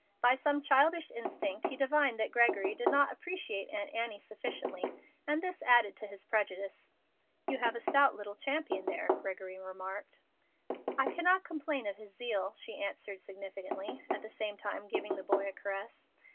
By some childish instinct he divined that Gregory did not appreciate Aunt Annie sufficiently, and this added to his prejudice. "You have a stout little champion there," Gregory remarked. "I cannot complain of his zeal," she answered significantly, at the same time giving the boy a caress.